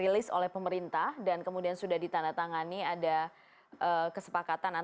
sebelum saya berbincang kembali dengan bang coki ini adalah beberapa hal